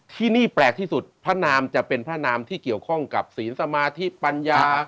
ที่นี่แปลกที่สุดพระนามจะเป็นพระนามที่เกี่ยวข้องกับศีลสมาธิปัญญา